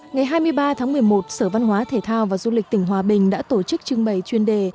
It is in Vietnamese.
ngày hai mươi ba tháng một mươi một sở văn hóa thể thao và du lịch tỉnh hòa bình đã tổ chức trưng bày chuyên đề